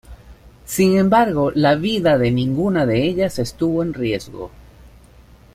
Sin embargo, la vida de ninguna de ellas estuvo en riesgo.